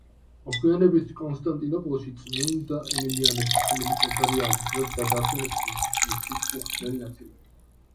მოგვიანებით კონსტანტინოპოლში წმინდა ემილიანეს სახელობის ტაძარი ააგეს, სადაც გადაასვენეს კიდეც მისი უხრწნელი ნაწილები.